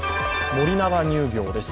森永乳業です。